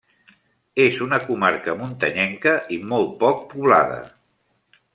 És una comarca muntanyenca i molt poc poblada.